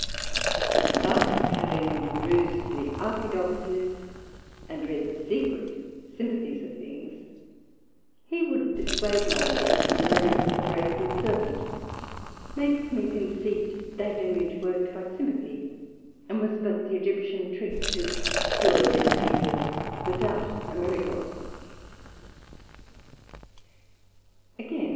Thus having perused the Archidoxes and read the secret Sympathies of things, he would disswade my belief from the miracle of the Brazen Serpent, make me conceit that Image worked by Sympathy, and was but an Ægyptian trick to cure their Diseases without a miracle.